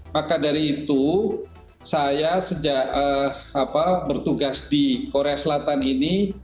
maka dari itu saya sejak bertugas di korea selatan ini